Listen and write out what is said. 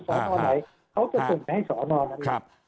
เขาจะส่งให้สอร่อย